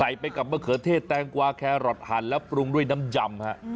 ไปกับมะเขือเทศแตงกวาแครอทหั่นแล้วปรุงด้วยน้ำยำฮะ